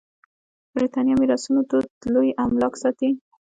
برېتانيه میراثونو دود لوی املاک ساتي.